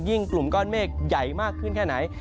กลุ่มก้อนเมฆใหญ่มากขึ้นแค่ไหน